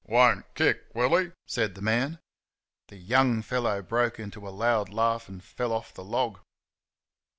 "Won't kick, will he?" said the man. The young fellow broke into a loud laugh and fell off the log.